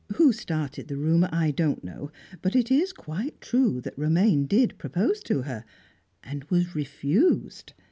Who started the rumour I don't know, but it is quite true that Romaine did propose to her and was refused!